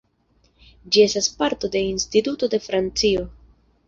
Ĝi estas parto de Instituto de Francio.